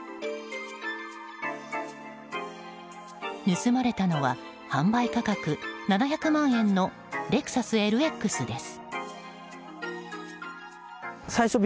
盗まれたのは販売価格７００万円のレクサスＬＸです。